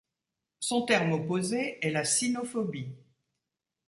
Son terme opposé est la sinophobie.